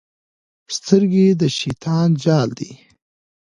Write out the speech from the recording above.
سترګې د شیطان جال دی.